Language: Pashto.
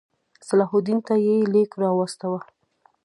صلاح الدین ته یې لیک واستاوه.